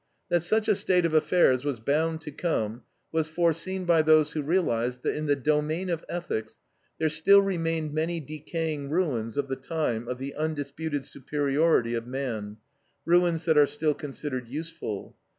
That such a state of affairs was bound to come was foreseen by those who realized that, in the domain of ethics, there still remained many decaying ruins of the time of the undisputed superiority of man; ruins that are still considered useful.